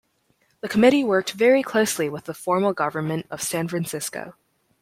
The Committee worked very closely with the formal government of San Francisco.